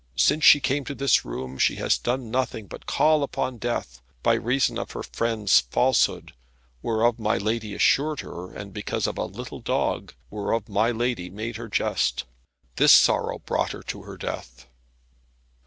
Since she came to this room she has done nothing but call upon death, by reason of her friend's falsehood, whereof my lady assured her, and because of a little dog, whereof my lady made her jest. This sorrow brought her to her death."